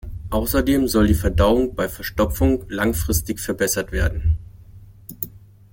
Außerdem soll die Verdauung bei Verstopfung langfristig verbessert werden.